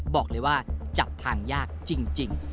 บอกเลยว่าจับทางยากจริง